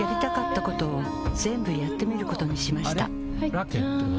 ラケットは？